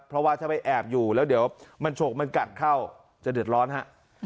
เพราะว่าถ้าไปแอบอยู่แล้วเดี๋ยวมันฉกมันกัดเข้าจะเดือดร้อนฮะ